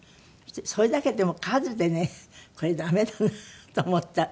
それだけでも数でねこれ駄目だなと思ったぐらい。